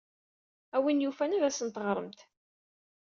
A win yufan ad asen-teɣremt.